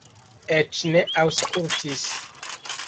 Eĉ ne aŭskultis.